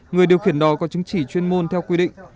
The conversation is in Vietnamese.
người điều khiển đò có chứng chỉ chuyên môn theo quy định